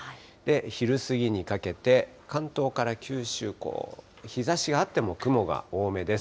昼過ぎにかけて、関東から九州、日ざしがあっても雲が多めです。